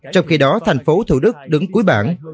trong khi đó tp hcm đứng cuối bản